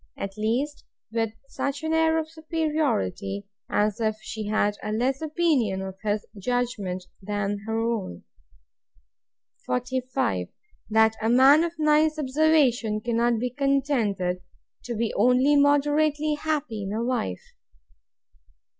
At least, with such an air of superiority, as if she had a less opinion of his judgment than her own. 45. That a man of nice observation cannot be contented to be only moderately happy in a wife.